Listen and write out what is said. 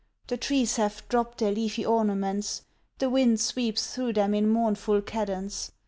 The trees have dropped their leafy ornaments; the wind sweeps through them in mournful cadence.